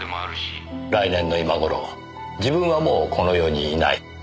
来年の今頃自分はもうこの世にいない。